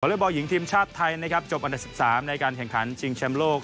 เล็กบอลหญิงทีมชาติไทยนะครับจบอันดับ๑๓ในการแข่งขันชิงแชมป์โลก